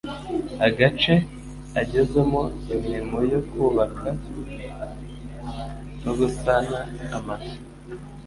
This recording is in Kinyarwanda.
agace agezemo imirimo yo kubaka no gusana Amazu